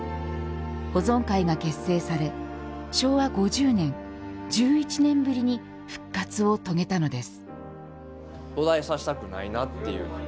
保存会が結成され昭和５０年、１１年ぶりに復活を遂げたのです。